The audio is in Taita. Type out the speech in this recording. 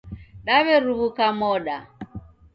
Daw'eruw'uka moda